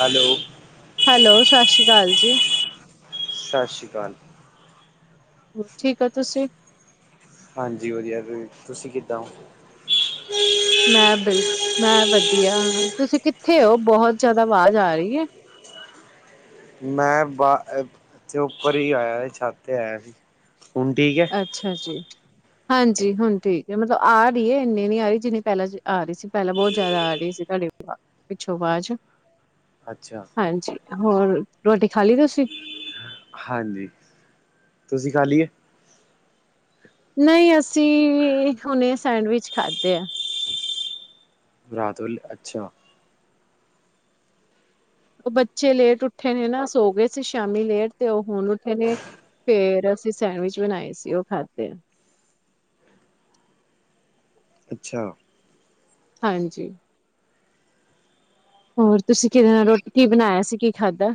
Hello hello ਸਤਿ ਸ਼੍ਰੀ ਅਕਾਲ ਜੀ। ਸਤਿ ਸ਼੍ਰੀ ਅਕਾਲ। ਠੀਕ ਓ ਤੁਸੀ? ਹਾਂਜੀ ਵਧੀਆ। ਤੁਸੀਂ ਕਿਦਾਂ ਹੋ? ਮੈਂ ਬਿਲ ਮੈਂ ਵਧੀਆ ਤੁਸੀਂ ਕਿੱਥੇ ਹੋ ਬਹੁਤ ਜਿਆਦਾ ਆਵਾਜ਼ ਆ ਰਹੀ ਹੈ। ਮੈਂ ਬਾ ਤੇ ਉੱਪਰ ਹੀ ਆਇਆ ਸੀ ਛਤ ਤੇ ਆਇਆ ਸੀ। ਹੁਣ ਠੀਕ ਹੈ ਅੱਛਾ ਜੀ। ਹਾਂਜੀ ਹੁਣ ਠੀਕ ਏ ਮਤਲਬ ਆ ਰਹੀ ਏ ਇੰਨੀ ਨੀ ਆ ਰੀ ਜਿੰਨੀ ਪਹਿਲਾਂ ਆ ਰੀ ਸੀ ਪਹਿਲਾਂ ਬਹੁਤ ਜ਼ਿਆਦਾ ਆ ਰੀ ਸੀ ਤੁਹਾਡੇ ਪਿੱਛੋਂ ਆਵਾਜ਼। ਅੱਛਾ ਹਾਂਜੀ ਹੋਰ ਰੋਟੀ ਖਾਲੀ ਤੁਸੀਂ ਹਾਂਜੀ ਤੁਸੀਂ ਖਾਲੀ ਏ ਨਹੀਂ ਅਸੀਂ ਹੁਨੇ ਸੈਂਡਵਿਚ ਖਾਦੇ ਆ ਰਾਤ ਵੇਲੇ ਅੱਛਾ ਉਹ ਬੱਚੇ ਲੇਟ ਉੱਠੇ ਨੇ ਨਾ ਸੋ ਗਏ ਸੀ ਸ਼ਾਮੀ ਲੇਟ ਤੇ ਉਹ ਹੁਨ ਉੱਠੇ ਨੇ ਫੇਰ ਅਸੀਂ ਸੈਂਡਵਿਚ ਬਨਾਏ ਸੀ ਉਹ ਖਾਧੇ। ਅੱਛਾ ਹਾਂਜੀ ਹੋਰ ਤੁਸੀਂ ਕਿਦੇ ਨਾਲ ਰੋਟੀ ਕੀ ਬਨਾਇਆ ਸੀ ਕੀ ਖਾਦਾ?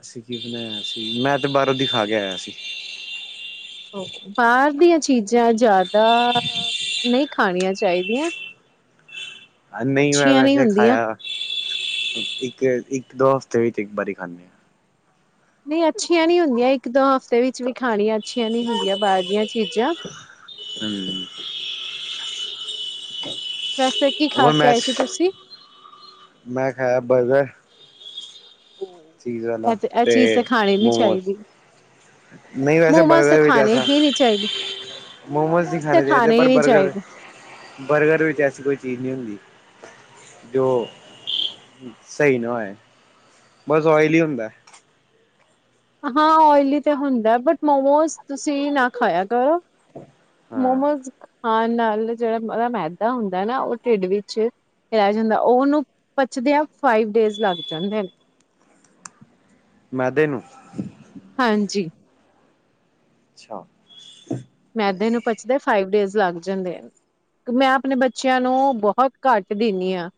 ਅਸੀਂ ਕੀ ਬਨਾਇਆ ਸੀ ਮੈਂ ਤੇ ਬਾਹਰੋਂ ਦੀ ਖਾ ਕੇ ਆਇਆ ਸੀ। ਬਾਹਰ ਦੀਆਂ ਚੀਜ਼ਾਂ ਜ਼ਿਆਦਾ ਨਹੀਂ ਖਾਨੀਆਂ ਚਾਹੀਦੀਆਂ। ਨਹੀਂ ਮੈਂ ਅੱਛੀਆਂ ਵੈਸੇ ਹੁੰਦੀਆਂ। ਖਾਇਆ ਇੱਕ ਇੱਕ ਦੋ ਹਫ਼ਤੇ ਵਿੱਚ ਇੱਕ ਵਾਰੀ ਖਾਂਦੇ ਆ। ਨਹੀਂ ਅੱਛੀਆਂ ਨਹੀਂ ਹੁੰਦੀਆਂ ਇੱਕ ਦੋ ਹਫ਼ਤੇ ਵਿੱਚ ਵੀ ਖਾਨਿਆਂ ਅੱਛੀਆਂ ਨੀ ਹੁੰਦੀਆਂ ਬਾਹਰ ਦੀਆਂ ਚੀਜ਼ਾਂ ਹੁ। ਵੈਸੇ ਕੀ ਖਾ ਹੋਰ ਕੇ ਮੈਂ, ਆਏ ਸੀ ਤੁਸੀਂ? ਮੈਂ ਖਾਇਆ ਬਰਗਰ ਚੀਜ਼ ਵਾਲਾ ਇਹ ਇਹ ਤੇ ਚੀਜ਼ ਤਾਂ ਖਾਣੀ ਨੀ ਮੋਮੋਸ ਚਾਹੀਦੀ ਨਹੀਂ ਵੈਸੇ ਮੋਮੋਸ ਤਾਂ ਬਰਗਰ ਵਿੱਚ ਖਾਣੇ ਐਸਾ ਹੀ ਨਹੀਂ ਚਾਹੀਦੇ। ਮੋਮੋਸ ਨਹੀਂ ਤੇ ਖਾਣੇ ਚਾਹੀਦੇ ਹੀ ਪਰ ਨਹੀਂ ਬਰਗਰ ਚਾਹੀਦੇ ਬਰਗਰ ਵਿੱਚ ਐਸੀ ਕੋਈ ਚੀਜ਼ ਨਹੀਂ ਹੁੰਦੀ ਜੋ ਸਈ ਨਾ ਹੋਏ। ਬਸ ੳਇਲੀ ਹੁੰਦਾ ਹਾਂ ਓਇਲੀ ਤੇ ਹੁੰਦਾ ਬਟ ਮੋਮੋਜ਼ ਤੁਸੀਂ ਨਾ ਖਾਇਆ ਕਰੋ ਹਾਂ ਮੋਮੋਜ਼ ਖਾਨ ਨਾਲ ਜਿਹੜਾ ਉਹਦਾ ਮੈਦਾ ਹੁੰਦਾ ਨਾ ਉਹ ਢਿੱਡ ਵਿਚ ਰਹਿ ਜਾਂਦਾ ਓਨੂੰ ਪਚਦਿਆਂ ਫਾਈਵ ਡੇਜ਼ ਲੱਗ ਜਾਂਦੇ ਨੇ ਮੈਦੇ ਨੂੰ ਹਾਂਜੀ। ਛਾ। ਮੈਦੇ ਨੂੰ ਪਚਦੇ ਫਾਈਵ ਡੇਜ਼ ਲੱਗ ਜਾਂਦੇ ਨੇ ਮੈਂ ਆਪਨੇ ਬੱਚਿਆਂ ਨੂੰ ਬਹੁਤ ਘੱਟ ਦਿੰਨੀ ਹਾਂ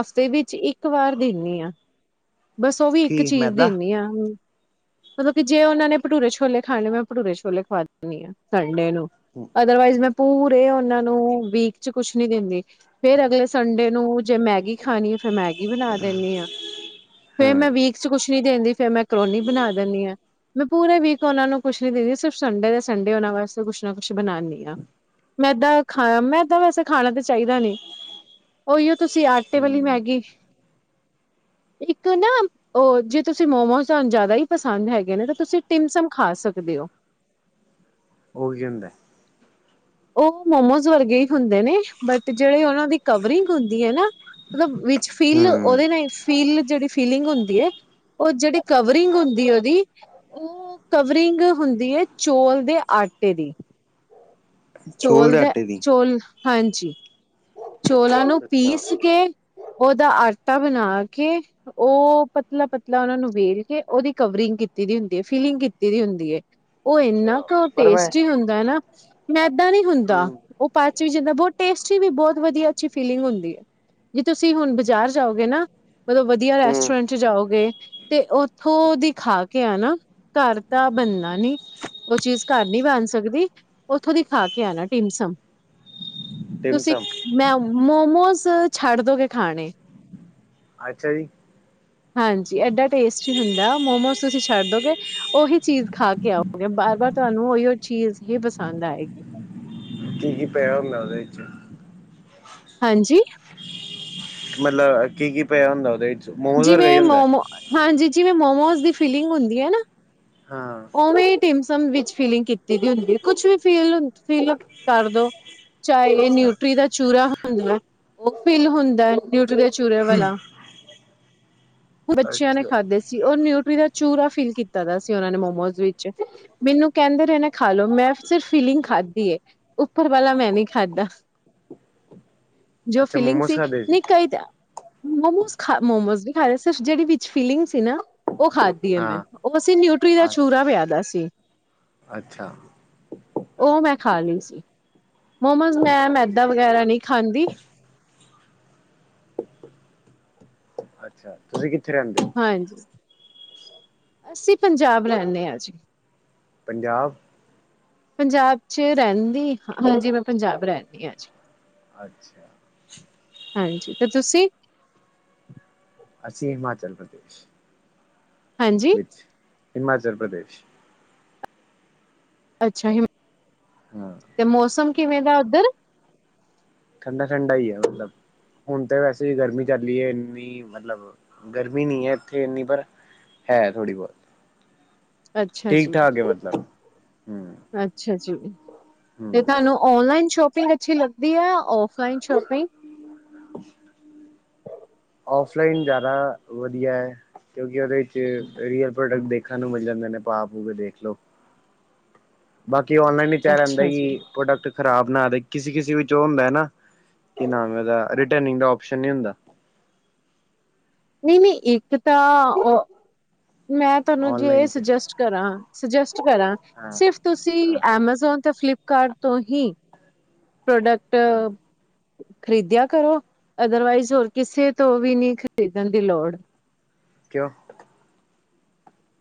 ਹਫ਼ਤੇ ਵਿੱਚ ਇੱਕ ਵਾਰ ਦਿੰਨੀ ਆ। ਬਸ ਉਹ ਵੀ ਇੱਕ ਕੀ ਚੀਜ਼ ਮੈਦਾ ਦਿੰਨੀ ਆ ਮਤਲਬ ਕਿ ਜੇ ਉਹਨਾਂ ਨੇ ਭਟੂਰੇ ਛੋਲੇ ਖਾਨੇ ਮੈਂ ਭਟੂਰੇ ਛੋਲੇ ਖਵਾ ਦਿੰਨੀ ਆ। ਸੰਡੇ ਨੂੰ ਹਮ ਅਦਰਵਾਈਜ਼ ਮੈਂ ਪੂਰੇ ਉਹਨਾਂ ਨੂੰ ਵੀਕ ਚ ਕੁਛ ਨਹੀਂ ਦਿੰਦੀ ਫਿਰ ਅਗਲੇ ਸੰਡੇ ਨੂੰ ਜੇ ਮੈਗੀ ਖਾਨੀ ਆ ਫੇਰ ਮੈਗੀ ਬਨਾ ਦੇਨੀ ਆ। ਫੇਰ ਮੈਂ ਵੀਕ--ਚ ਕੁਛ ਨੀ ਦੇਂਦੀ ਫਿਰ ਮੈਕਰੋਨੀ ਬਨਾ ਦੇਨੀ ਆ ਮੈਂ ਪੂਰੇ ਵੀਕ ਉਹਨਾ ਨੂੰ ਕੁਛ ਨੀ ਦੇਂਦੀ ਸਿਰਫ ਸੰਡੇ ਦੇ ਸੰਡੇ ਉਹਨਾਂ ਵਾਸਤੇ ਕੁਸ਼ ਨਾ ਕੁਸ਼ ਬਨਾਨੀ ਆ ਮੈਦਾ ਖਾ ਮੈਦਾ ਵੈਸੇ ਖਾਣਾ ਤਾਂ ਚਾਹੀਦਾ ਨੀ ਉਹੀ ਤੁਸੀਂ ਆਟੇ ਵਾਲੀ ਹਮ ਮੈਗੀ-ਤੁ ਇੱਕ ਨਾ ਉਹ ਜੇ ਤੁਸੀਂ ਮੋਮੋਸ ਤੁਹਾਨ ਜ਼ਆਦਾ ਈ ਪਸੰਦ ਹੈਗੇ ਨੇ ਤਾਂ ਤੁਸੀਂ ਟਿਮਸਮ ਖਾ ਸਕਦੇ ਹੋ ਉਹ ਕੀ ਹੁੰਦਾ? ਉਹ ਮੋਮਸ ਵਰਗੇ ਹੀ ਹੁੰਦੇ ਨੇ ਬਟ ਜਿਹੜੇ ਉਹਨਾਂ ਦੀ ਕਵਰਿੰਗ ਹੁੰਦੀ ਏ ਨਾ ਮਤਲਬ ਵਿੱਚ ਫੀਲ ਹਮ ਉਹਦੇ ਨਾਲ ਫੀਲ ਜਿਹੜੀ ਫੀਲਿੰਗ ਹੁੰਦੀ ਏ ਉਹ ਜਿਹੜੀ ਕਵਰਿੰਗ ਹੁੰਦੀ ਏ ਉਹਦੀ ਉਹ ਕਵਰਿੰਗ ਹੁੰਦੀ ਏ ਚੌਲ ਦੇ ਆਟੇ ਦੀ ਚੋਲ ਦੇ ਚੋਲ ਹਾਂਜੀ। ਚੋਲਾਂ ਨੂੰ ਅੱਛਾ ਪੀਸ ਕੇ। ਉਹਓਦਾ ਆਟਾ ਬਣਾ ਕੇ ਉਹ ਪਤਲਾ ਪਤਲਾ ਉਹਨਾ ਨੂੰ ਵੇਲ ਕੇ ਉਹਦੀ ਕਵਰਿੰਗ ਕੀਤੀ ਦੀ ਹੁੰਦੀ ਹੈ ਫਿਲਿੰਗ ਕੀਤੀ ਦੀ ਹੁੰਦੀ ਹੈ। ਉਹ ਇੰਨਾ ਅੱਛਾ ਕੁ ਪਰ ਮੈਂ ਟੇਸਟੀ ਹੁੰਦਾ ਨਾ ਅਛਾ ਨਾ ਇਦਾਂਨਹੀਂ ਹੁੰਦਾ ਉਹ ਪੱਚ ਵੀ ਜਾਂਦਾ ਜਾਂਦਾ ਬਹੁਤ ਟੇਸਟੀ ਵੀ ਬਹੁਤ ਵਧੀਆ ਅੱਛੀ ਫੀਲਿੰਗ ਹੁੰਦੀ ਹੈ ਜੇ ਤੁਸੀਂ ਹੁਣ ਬਾਜ਼ਾਰ ਜਾਓਗੇ ਨਾ ਮਤਲੋਂ ਵਧੀਆ ਹਮ ਰੈਸਟੋਰੈਂਟ ਚ ਜਾਓਗੇ ਤੇ ਉੱਥੋਂ ਦੀ ਖਾ ਕੇ ਆ ਨਾ ਘਰ ਤਾਂ ਬਣਨਾ ਨੀ ਉਹ ਚੀਜ਼ ਘਰ ਨਹੀਂੀ ਬਣ ਸਕਦੀ। ਉੱਥੋਂ ਦਿਖਾ ਕੇ ਆਣਾ ਟਿਮਸਮ। ਤੁਸੀਂ ਟਿਮਸਮ ਮੈਂ ਮੋਮੋਸ ਛੱਡ ਦੋਗੇ ਖਾਣੇ ਅੱਛਾ ਜੀ ਹਾਂਜੀ ਐਡਾ ਟੇਸਟੀ ਹੁੰਦਾ ਮੋਮੋਸ ਤੁਸੀਂ ਛੱਡ ਦੋਗੇ ਉਹੀ ਚੀਜ਼ ਖਾ ਕੇ ਆਓਗੇ ਬਾਰ -ਬਾਰ ਤੁਹਾਨੂੰ ਹੀ ਉਹ ਚੀਜ਼ ਹੀ ਬਸ ਪਸੰਦ ਆਏਗੀ। ਕੀ ਕੀ ਪਿਆ ਹੁੰਦਾ ਉਹਦੇ ਚ ਹਾਂਜੀ। ਮਤਲਬ ਕੀ -ਕੀ ਪਿਆ ਹੁੰਦਾ ਉਹਦੇ ਵਿੱਚ ਮੋਮੋਸ ਵਰਗਾ ਹੀ ਜਿਵੇਂ ਹੁੰਦਾ ਮੋਮੋ ਹਾਂਜੀ ਜਿਵੇਂ ਮੋਮੋ। ਜਿਵੇਂ ਮੋਮਸ ਦੀ ਫੀਲਿੰਗ ਹੁੰਦੀ ਹੈ ਨਾ। ਹਾਂ, ਤਿਮਸਮ ਵਿੱਚ ਫੀਲਿੰਗ ਕੀਤੀ ਦੀ ਹੁੰਦੀ ਹੈ ਕੁਛ ਵੀ ਫੀਲ ਫੀਲ ਕਰਦੋ। ਚਾਹੇ ਅੱਛਾ ਨਿਊਟਰੀ ਦਾ ਚੂਰਾ ਹੋ। ਹੁੰ ਉਹ ਫੀਲ ਹੁੰਦਾ ਨਿਊਟਰੀ ਚੂਰੇਵਾਲਾ ਬੱਚਿਆਂ ਨੇ ਅੱਛਾ ਖਾਧੇ ਸੀ ਉਹ ਨਿਊ ਨਿਊਟਰੀ ਦਾ ਚੂਰਾ ਫੀਲ ਕੀਤਾ ਦਾ ਸੀ ਉਹਨਾਂ ਨੇ ਮਮ ਮੋਮੋਜ ਵਿੱਚ ਮੈਨੂੰ ਕਹਿੰਦੇ ਰਹੇ ਨੇ ਖਾ ਲੋੋ ਮੈਂ ਸਿਰਫ ਫੀਲਿੰਗ ਖਾਧੀ ਉੱਪਰ ਵਾਲਾ ਮੈਂ ਨਹੀਂੀ ਖਾਧਾ ਜੋ ਅੱਛਾ ਫੀਲਿੰਗ ਮੋਮੋਸ ਸੀ ਖਾਦੇ ਨ ਕਈ ਮੋਮੋਾ ਮੋਮੋਸ ਵੀ ਖਾ ਰਹੇ ਸਿਰ ਜਿਹੜ ਵਿੱਚ ਫੀਲਿੰਗ ਸੀ ਨਾ। ਉਹ ਖਾਦੀ ਹੈ ਮੈਂ ਹਾਂ ਉਹ ਅਸੀਂ ਨਿਊਟਰੀ ਦਾ ਪੂਰਾ ਸਵਾਦ ਸੀ ਅੱਛਾ, ਉਹ ਮੈਂ ਖਾ ਲਈ ਸੀ। ਮੋਮੋਸ ਮੈਂ ਅੱਛਾ ਮੈਦਾ ਵਗੈਰਾ ਨਹੀਂ ਖਾਂਦੀ। ਅੱਛਾ ਤੁਸੀਂ ਕਿ ਹਾਂਜੀ। ਅਸੀਂ ਪੰਜਾਬ ਰਹਿੰਦੇ ਹਾਂ ਜੀ। ਪੰਜਾਬ ਪੰਜਾਬ ਚ ਰਹਿੰਦੀ ਹਾਂਜੀ ਮੈਂ ਪੰਜਾਬ ਰਹਿੰਦੀ ਹਾਂ ਅੱਜ ਅੱਛਾ ਹਾਂਜੀ ਤੇ ਤੁਸੀਂ ਅਸੀਂ ਹਿਮਾਚਲ ਪ੍ਰਦੇਸ਼ ਹਾਂਜੀ ਵਿੱਚ ਹਿਮਾਚਲ ਪ੍ਰਦੇਸ਼ ਅੱਛਾ ਹਮ ਹਾਂ ਤੇ ਮੌਸਮ ਕਿਵੇਂ ਦਾ ਉੱਧਰ ਠੰਡਾ ਠੰਡਾ ਹੀ ਹੈ, ਮਤਲਬ ਹੁਣ ਤਾਂ ਵੈਸੇ ਗਰਮੀ ਚੱਲੀ ਹੈ ਇੰਨੀ ਮਤਲਬ ਗਰਮੀ ਨਹੀ ਹੈ ਇੱਥੇ ਇੰਨੀ ਪਰ ਹੈ ਥੋੜ੍ਹੀ ਬਹੁਤ ਅੱਛਾ ਠੀਕ ਜੀ, ਠਾਕ ਹੈ ਮਤਲਬ, ਹਮ [unintelligible] ਤੇ ਤੁਹਾਨੂੰ ਔਨਲਾਈਨ ਸ਼ੋਪ ਅੱਛੀ ਲੱਗਦੀ ਹੈ ਔਫਲਾਈਨ ਸ਼ੋਪਿੰਗ [unintelligible] ਆਫਲਾਈਨ ਜ਼ਿਆਦਾ ਵਧੀਆ ਹੈ, ਕਿਉਂਕਿ ਉਹਦੇ ਵਿੱਚ ਰੀਅਲ ਪ੍ਰੋਡਕਟ ਦੇਖਣ ਨੂੰ ਮਿਲ ਜਾਂਦੇ ਨੇ ਪਾ ਪੂ ਕੇ ਦੇਖ ਲਓ ਬਾਕੀ ਕਿ ਔਨਲਾਈਨ ਚ ਇਹ ਰਹਿੰਦਾ ਅੱਛਾ ਜੀ, ਕਿ ਪ੍ਰੋਡਕਟ ਖ਼ਰਾਬ ਨਾ ਕਿਸੇ ਕਿਸੇ ਵਿਚ ਉਹ ਹੁੰਦਾ ਨਾ ਕੀ ਨਾਮ ਹੈ ਓਹਦਾ [unintelligible] ਨਹੀਂ ਨਹੀਂ ਇੱਕ ਤਾਂ ਉਹ ਮੈਂ ਤੁਹਾਨੂੰ ਜੇ ਇਹ ਸੁਜੈਸਟ ਕਰਾਂ ਸਜੈਸਟ ਕਰਾਂ ਸਿਰਫ ਤੁਸੀਂ ਐਮਾਜ਼ੋਨ ਤੇ ਫਲਿਪ ਘਰ ਤੋਂ ਹੀ ਪ੍ਰੋਡਕਟ ਖ਼ਰੀਦਿਆ ਕਰੋ, ਅਦਰਵਾਈਜ਼ ਹੋਰ ਕਿਸੇ ਤੋਂ ਵੀ ਨਹੀਂ ਖਰੀਦਣ ਦੀ ਲੋੜ ਕਿਓਂ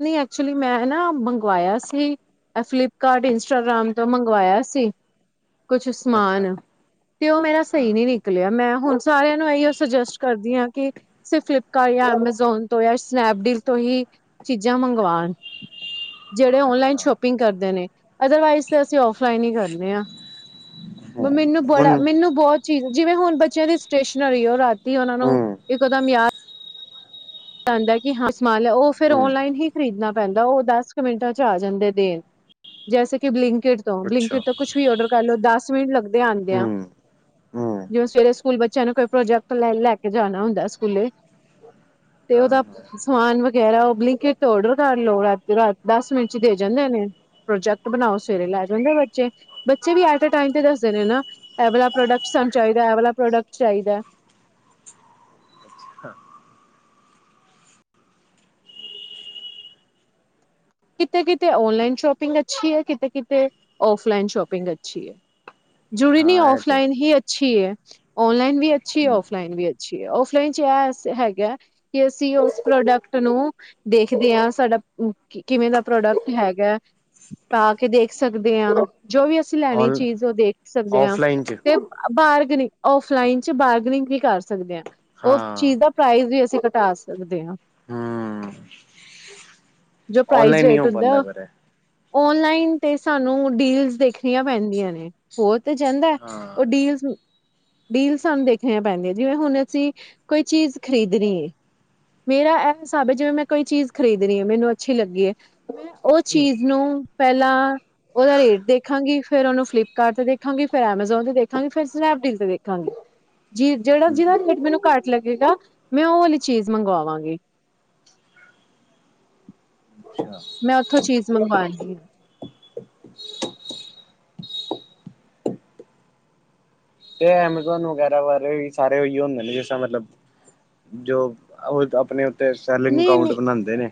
ਨਹੀਂ ਐਕਚੁਲੀ, ਮੈਂ ਨਾ ਮੰਗਵਾਇਆ ਸੀ, ਫਲਿਪਕਾਰਟ, ਇੰਸਟਾਗ੍ਰਾਮ ਤੋਂ ਮੰਗਵਾਇਆ ਸੀ। ਕੁਛ ਸਮਾਨ ਤੇ ਉਹ ਮੇਰਾ ਸਹੀ ਨਹੀ ਨਿਕਲਿਆ ਮੈਂ ਹੁਣ ਸਾਰਿਆਂ ਨੂੰ ਇਓ ਸੁਜੈਸਟ ਕਰਦੀ ਹਾਂ ਕਿ ਸ ਫਲਿਪਕਾਰਟ ਜਾਂ ਐਮਾਜ਼ੋਨ ਤੋਂ ਜਾਂ ਸਨੈਪਡੀਲ ਤੋਂ ਹੀ- ਚੀਜ਼ਾਂ ਮੰਗਵਾਉਣ ਜਿਹੜੇ ਓਨਲਾਈਨ ਸ਼ੋਪਿੰਗ ਕਰਦੇ ਨੇ ਅਦਰਵਾਈਜ਼ ਤੇ ਅਸੀਂ ਆਫ਼ [unintelligible] ਆ ਮੈਨੂੰ ਬੜਾ ਮੈਨੂੰ ਬਹੁਤ ਜਿਵੇਂ ਹੁਣ ਬੱਚਿਆਂ ਦੀ ਸਟੇਸ਼ਨਰੀ ਉਹ ਰਾਤ ਉਹਨਾ ਨੂੰ ਇੱਕੋ ਦਮ ਯਾਦ [unintelligible] ਉਹ ਫਿਰ ਓਨਲਾਈਨ ਹੀ ਖਰੀਦਣਾ ਪੈਂਦਾ ਉਹ ਦਸ ਕੁ ਮਿੰਟਾਂ ਚ ਆ ਜਾਂਦੇ ਦੇਣ ਜੈਸੇ ਕਿ ਬਲੀੰ ਕੀ ਤੋਂ ਬਲਿੰਕਿਟ ਤੋਂ ਕੁੱਛ ਵੀ ਔਡਰ ਕਰ ਲੋ ਦਸ [unintelligible] ਲਿਆਂਦੇਆ ਜਿਵੇਂ ਸਵੇਰੇ ਸਕੂਲ ਬੱਚਿਆਂ ਨੂੰ ਕੋਈ ਪ੍ਰੋਜੈਕਟ ਲੈ ਲੈ ਕੇ ਜਾਣਾ ਹੁੰਦਾ ਸਕੂਲੇ ਤੇ ਉਹਦਾ ਸਮਾਨ ਵਗੈਰਾ ਬਲਿੰਕਿਟ ਤੋਂ ਆਡਰ ਕਰ ਲੋ। ਰਾਤੋਂ ਰਾਤ ਦਸ ਮਿੰਟ ਚ ਦੇ ਜਾਂਦੇ ਨੇ ਪ੍ਰੋਜੈਕਟ ਬਣਾਓ। ਸਵੇਰੇ ਲੈ ਜਾਂਦੇ ਬੱਚੇ। ਬੱਚੇ ਵੀ ਐਟੈ ਟਾਇਮ ਤੇ ਦੱਸਦੇ ਨੇ ਇਹ ਵਾਲਾ ਪ੍ਰੋਡਕਟ ਸਾਨੂੰ ਚਾਈਦਾ, ਵਾਲਾ ਪ੍ਰੋਡਕਟ ਚਾਈਦਾ ਕਿਤੇ-ਕਿਤੇ ਔਨਲਾਈਨ ਸ਼ਾਪਿੰਗ ਅੱਛੀ ਐ, ਕਿਤੇ-ਕਿਤੇ ਆਫਲਾਇਨ ਸ਼ਾਪਿੰਗ ਅੱਛੀ ਐ ਜਰੂਰੀ ਨ੍ਹੀਂ ਔਫਲਾਈਨ ਹੀ ਅੱਛੀ ਅੱਛੀ ਐ, ਓਨਲਾਈਨ ਵੀ ਅੱਛੀ ਐ ਆਫਲਾਈਨ ਵੀ ਅੱਛੀ ਐ। ਆਫਲਾਈਨ ਚ ਇਹ ਹੈਗਾ ਕਿ ਅਸੀਂ ਉਸ ਪ੍ਰੋਡਕਟ ਨੂੰ ਦੇਖਦੇਆਂ ਸਾਡਾ ਕਿਵੇਂ ਦਾ ਪ੍ਰੋਡਕਟ ਹੈਗਾ ਪਾ ਕੇ ਦੇਖ ਸਕਦੇ ਹਾਂ ਜੋ ਵੀ ਅਸੀਂ ਲੈਣੀ ਚੀਜ਼ ਉਹ ਦੇਖ ਸਕਦੇ ਹਾਂ ਚ ਤੇ ਬ ਬਾਰ ਗਨਿੰਗ ਔਫਲਾਈਨ ਚ ਬਾਰਗਨਿੰਗ ਵੀ ਕਰ ਸਕਦੇ ਆ ਉਹ ਹਾਂ ਚੀਜ਼ ਦਾ ਪ੍ਰਾਈਜ਼ ਵੀ ਅ ਅਸੀਂ ਘਟਾ ਸਕਦੇ ਹਾਂ ਹੂੰ ਜੋ ਪ੍ਰਾਈਜ਼ ਔਨਲਾਈਨ ਨੀ ਰੇਟ ਹੋ ਹੁੰਦਾ ਪਾਂਦਾ ਉ ਪਰ ਐ ਔਨਲਾਈਨ ਤੇ ਸਾਨੂੰ ਡੀਲਸ ਦੇਖਣੀਆਂ ਪੈਂਦੀਆਂ ਨੇ ਹੋਰ ਤੇ ਜਾਂਦਾ ਐ ਹਾਂ ਉਹ ਡੀਲਸ ਡੀਲਸ ਸਾਨੂੰ ਦੇਖਣੀਆਂ ਪੈਂਦੀਆਂ ਜਿਵੇਂ ਹੁਣ ਅਸੀਂ ਕੋਈ ਚੀਜ਼ ਖ੍ਰਰੀਦਣੀ ਐ। ਮੇਰਾ ਇਹ ਹਿਸਾਬ ਐ ਜਿਵੇਂ ਮੈਂ ਕੋਈ ਚੀਜ਼ ਖਰੀਦਣੀ ਏ ਐ ਮੈਨੂੰ ਅੱਛੀ ਲੱਗੀ ਐ, ਮੈਂ ਉਹ ਚੀਜ਼ ਨੂੰ ਪਹਿਲਾਂ ਓਹਦਾ ਰੇਟ ਦੇਖਾਂਗੀ ਫਿਰ ਉਹਨੂੰ ਫਲਿਪਕਾਰਟ ਤੇ ਦੇਖਾਂਗ, ਫਿਰ ਐਮਾਜ਼ੋਨ ਤੇ ਦੇਖਾਂਗੀ, ਫਿਰ ਸਨੈਪਡੀਲ ਤੇ ਦੇਖਾਂਗੀ। ਜੀ ਜਿਹੜਾ ਹੂੰ ਜਿਹਦਾ ਰੇਟ ਮੈਨੂੰ ਘੱਟ ਲੱਗੇਗਾ ਮੈਂ ਉਹ ਵਾਲੀ ਚੀਜ਼ ਮੰਗਵਾਵਾਂਗੀ ਅੱਛਾ ਮੈਂ ਉੱਥੋਂ ਚੀਜ਼ ਮੰਗਵਾਹੀ [unintelligible] ਤੇ ਐਮਾਜ਼ੋਨ ਵਗੈਰਾ ਬਾਰੇ ਵੀ ਸਾਰੇ ਉਹੀ ਹੁੰਦੇ ਨੇ, ਜਿਸ ਤਰ ਮਤਲਬ ਜੋ ਉਹ ਆਪਣੇ ਤੇ ਸੈਲਿੰਗ ਨਹੀਂ ਅਕਾਊਂਟ ਨਹੀਂ ਬਣਾਂਦੇ ਨੇ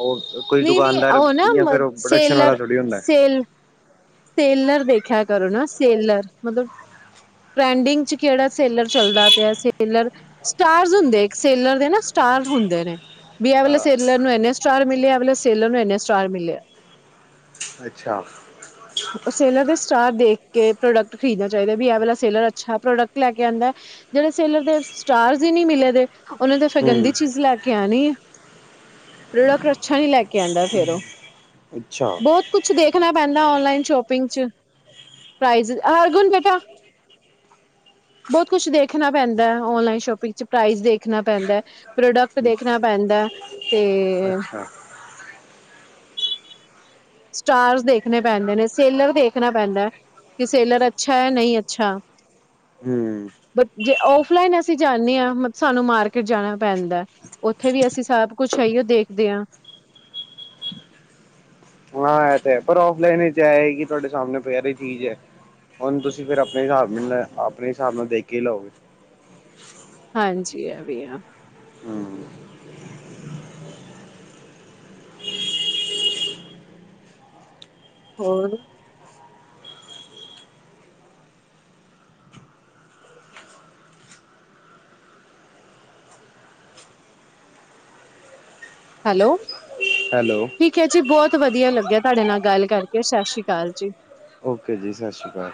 ਉਹ ਕੋਈ ਨਹੀਂ ਨਹੀਂ ਦੁਕਾਨਦਾਰ ਉਹ ਜਾਂ ਨਾ ਫਿਰ ਪ੍ਰੋਡਕਸ਼ਨ ਵਾਲਾ ਸੇਲਰ ਥੋੜੀ ਹੁੰਦਾ ਸੇਲ ਸੇਲਰ ਦੇਖਿਆ ਕਰੋ ਨਾ ਸੇਲਰ ਮਤਲਬ ਟ੍ਰੈਂਡਿੰਗ ਚ ਕਿਹੜਾ ਸੇਲਰ ਚੱਲਦਾ ਪਿਆ ਸੇਲਰ ਸਟਾਰ ਹੁੰਦੇ, ਸੇਲਰ ਦੇ ਨਾ ਸਟਾਰ ਹੁੰਦੇ ਨੇ ਵੀ ਇਹ ਵਾਲੇ ਹਾਂ ਸੇਲਰ ਨੂੰ ਇੰਨੇ ਸਟਾਰ ਮਿਲੇਂ ਇਹ ਵਾਲੇ ਸੇਲਰ ਨੂੰ ਇੰਨੇ ਸਟਾਰ ਮਿਲੇ ਆ ਅੱਛਾ ਉਹ ਸੇਲਰ ਦੇ ਸਟਾਰ ਦੇਖ ਕੇ ਪ੍ਰੋਡਕਟ ਖਰੀਦਣਾ ਚਾਈਦਾ ਬੀ ਇਹ ਵਾਲਾ ਸੇਲਰ ਅੱਛਾ ਪ੍ਰੋਡਕਟ ਲੈ ਕੇ ਆਉਂਦਾ ਜਿਹੜੇ ਸੇਲਰ ਦੇ ਸਟਾਰਸ ਹੀ ਨੀਂ ਮਿਲੇ ਦੇ ਉਹਨਾਂ ਤੇ ਫਿਰ ਹੂੰ ਗੰਦੀ ਚੀਜ਼ ਲੈ ਕੇ ਆਣੀ ਐ। ਪ੍ਰੋਡਕਟ ਅੱਛਾ ਨੀਂ ਲੈ ਕੇ ਆਂਦਾ ਫਿਰ ਉਹ ਅੱਛਾ ਬਹੁਤ ਕੁਛ ਦੇਖ ਰੱਖਣਾ ਪੈਂਦਾ ਔਨਲਾਈਨ ਸ਼ੋਪਿੰਗ ਚ ਪ੍ਰਾਈਜ਼ ਹਰਗੁਣ ਬੇਟਾ ਬਹੁਤ ਕੁਛ ਦੇਖਣਾ ਪੈਂਦਾ ਐ ਔਨਲਾਈਨ ਸ਼ੋਪਿੰਗ ਚ ਪ੍ਰਾਈਜ਼ ਦੇਖਣਾ ਪੈਂਦਾ ਐ, ਪ੍ਰੋਡਕਟ ਦੇਖਣਾ ਪੈਂਦਾ ਐ ਤੇ ਅੱਛਾ ਸਟਾਰਸ ਦੇਖਣੇ ਪੈਂਦੇ ਨੇ, ਸੇਲਰ ਦੇਖਣਾ ਪੈਂਦਾ, ਕਿ ਸੇਲਰ ਅੱਛਾ ਐ ਨਈਂ ਅੱਛਾ ਹੂੰ ਬੱਟ ਜੇ ਆਫ ਲਈਨ ਅਸੀਂ ਜਾਂਣੇ ਆਂ ਸਾਨੂੰ ਮਾਰਕਿਟ ਜਾਣਾ ਪੈਂਦਾ ਉੱਥੇ ਵੀ ਅਸੀਂ ਸਭ ਕੁਛ ਹੈ ਦੇਖਦੇ ਆਂ ਹਾਂ ਇਹ ਤੇ ਹੈ ਪਰ ਆਫਲਾਈਨ ਵਿੱਚ ਏ ਐ ਕਿ ਤੁਆਡੇ ਸਾਹਮਣੇ ਪਈ ਦੀ ਚੀਜ਼ ਐ ਹੁਨ ਤੁਸੀਂ ਫਿਰ ਆਪਣੇ ਹਿਸਾਬ ਨਾਲ ਆਪਣੇ ਹਿਸਾਬ ਨਾਲ ਦੇਖ ਹੀ ਲਓ ਹਾਂਜੀ ਇਹ ਵੀ ਐ ਹੂੰ ਹੋਰ ਹੈਲੋ ਹੈਲੋ ਠੀਕ ਹੈ ਜੀ ਬਹੁਤ ਵਧੀਆ ਲੱਗਿਆ ਤੁਹਾਡੇ ਨਾਲ ਗੱਲ ਕਰਕੇ, ਸਤਿ ਸ੍ਰੀ ਅਕਾਲ ਜੀ। ਓਕੇ ਜੀ, ਸਤਿ ਸ਼੍ਰੀ ਅਕਾਲ।